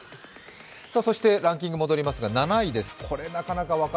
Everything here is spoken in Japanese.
そしてランキングに戻りますが、７位です。